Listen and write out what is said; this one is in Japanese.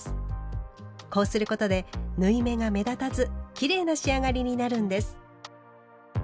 こうすることで縫い目が目立たずきれいな仕上がりになるんです。